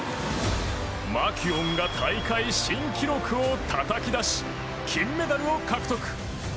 マキュオンが大会新記録をたたき出し、金メダルを獲得！